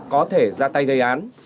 có thể ra tay gây án